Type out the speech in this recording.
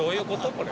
これ。